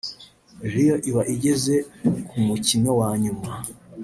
Real iba igeze ku mukino wa nyuma